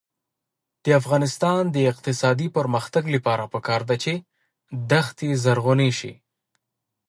د افغانستان د اقتصادي پرمختګ لپاره پکار ده چې دښتي زرغونې شي.